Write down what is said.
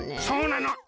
そうなの！